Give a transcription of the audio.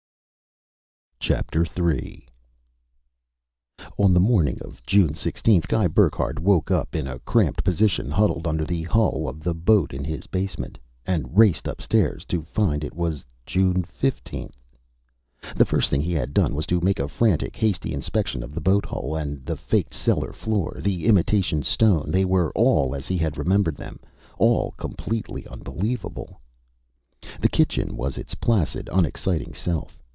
III On the morning of June 16th, Guy Burckhardt woke up in a cramped position huddled under the hull of the boat in his basement and raced upstairs to find it was June 15th. The first thing he had done was to make a frantic, hasty inspection of the boat hull, the faked cellar floor, the imitation stone. They were all as he had remembered them all completely unbelievable. The kitchen was its placid, unexciting self.